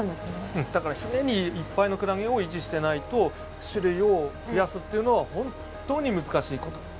うんだから常にいっぱいのクラゲを維持していないと種類を増やすっていうのは本当に難しいこと。